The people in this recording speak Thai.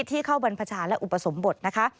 ที่เข้าบรรพชาญและอุปสมบท